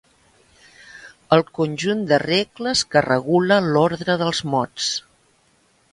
El conjunt de regles que regula l'ordre dels mots.